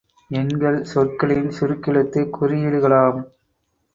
எண்கள் சொற்களின் சுருக் கெழுத்துக் குறியீடுகளாம்.